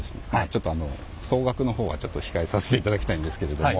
ちょっとあの総額のほうはちょっと控えさせていただきたいんですけれども。